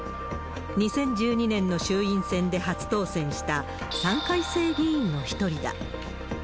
２０１２年の衆院選で初当選した３回生議員の一人だ。